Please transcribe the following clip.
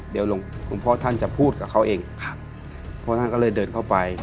เดี๋ยวหลวงพ่อท่านจะพูดกับเขาเองครับพ่อท่านก็เลยเดินเข้าไป